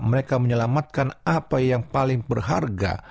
mereka menyelamatkan apa yang paling berharga